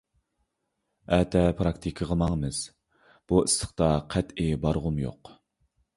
ئەتە پىراكتىكىغا ماڭىمىز. بۇ ئىسسىقتا قەتئىي بارغۇم يوق.